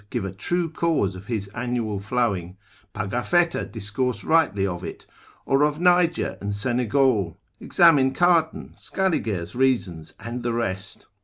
give a true cause of his annual flowing, Pagaphetta discourse rightly of it, or of Niger and Senegal; examine Cardan, Scaliger's reasons, and the rest.